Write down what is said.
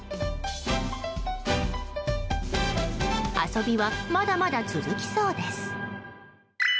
遊びはまだまだ続きそうです。